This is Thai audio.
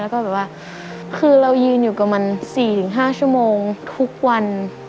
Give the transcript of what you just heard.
แล้วก็แบบว่าคือเรายืนอยู่กับมัน๔๕ชั่วโมงทุกวัน